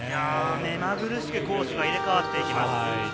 目まぐるしく攻守が入れ替わっていきます。